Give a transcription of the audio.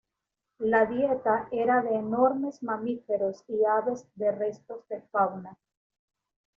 La dieta era de enormes mamíferos y aves de restos de fauna.